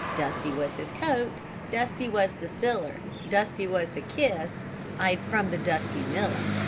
Dusty was his coat, Dusty was the siller, Dusty was the kiss I'd from the dusty miller.